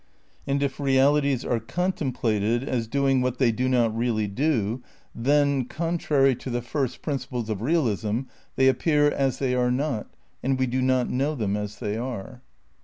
And if realities are contemplated as doing what they do not really do, then, contrary to the first principles of realism, they appear as they are not and we do not know them as they are.